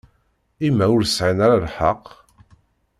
I ma ur sεin ara lḥeqq?